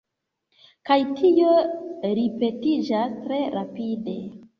Kaj tio ripetiĝas tre rapide.